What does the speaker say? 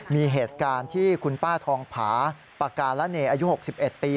มีเหตุการณ์ที่คุณป้าทองผาปากาละเนอายุ๖๑ปี